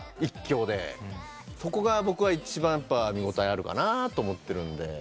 そこが僕は一番見応えあるかなと思ってる。